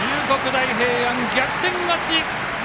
大平安、逆転勝ち！